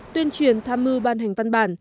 tuyên truyền tham mưu ban hành văn bản